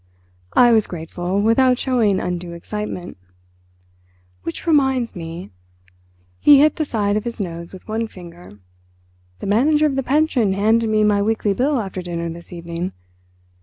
I was grateful, without showing undue excitement. "Which reminds me"—he hit the side of his nose with one finger—"the manager of the pension handed me my weekly bill after dinner this evening.